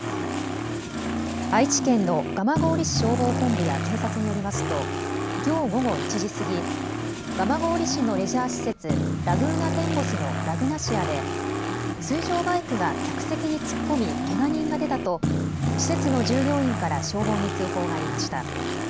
愛知県の蒲郡市消防本部や警察によりますと、きょう午後１時過ぎ、蒲郡市のレジャー施設、ラグーナテンボスのラグナシアで、水上バイクが客席に突っ込みけが人が出たと、施設の従業員から消防に通報がありました。